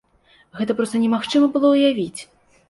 Гэта проста немагчыма было ўявіць!